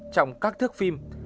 trong các thước phim